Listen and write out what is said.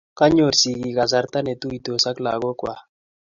kinyoru sigiik kasarta ne tuisot ak lagokwach